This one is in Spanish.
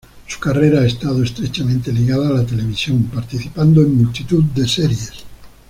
Su carrera ha estado estrechamente ligada a la televisión, participando en multitud de series.